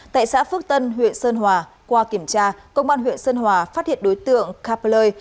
tại xã phước tân huyện sơn hòa qua kiểm tra công an huyện sơn hòa phát hiện đối tượng kapaloi